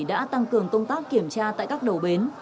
đã tăng cường công tác kiểm tra tại các đầu bến